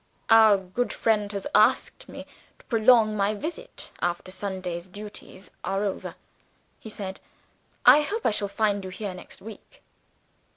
"Our good friend has asked me to prolong my visit, after Sunday's duties are over," he said. "I hope I shall find you here, next week?"